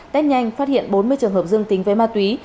test nhanh phát hiện bốn mươi trường hợp dương tính với ma túy